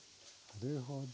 なるほど。